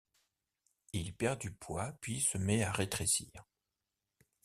Il perd du poids, puis se met à rétrécir.